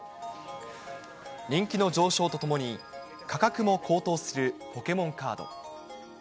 人気の上昇とともに、価格も高騰するポケモンカード。